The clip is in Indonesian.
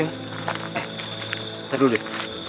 eh ntar dulu deh